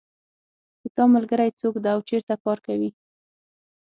د تا ملګری څوک ده او چېرته کار کوي